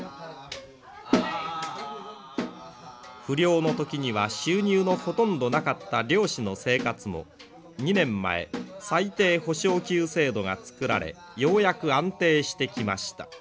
不漁の時には収入のほとんどなかった漁師の生活も２年前最低補償給制度が作られようやく安定してきました。